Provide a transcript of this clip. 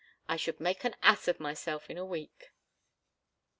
"I should make an ass of myself in a week."